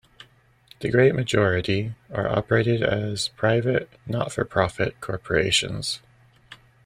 The great majority are operated as private not-for-profit corporations.